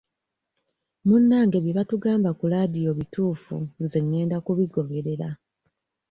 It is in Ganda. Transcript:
Munnange bye batugamba ku laadiyo bituufu nze ngenda bigoberera.